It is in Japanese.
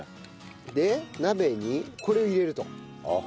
で鍋にこれを入れると。